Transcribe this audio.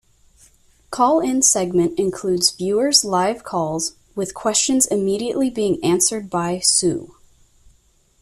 Call-in segment includes viewers' live calls with questions immediately being answered by Sue.